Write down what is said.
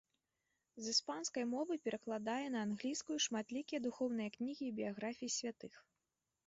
З іспанскай мовы перакладае на англійскую шматлікія духоўныя кнігі і біяграфіі святых.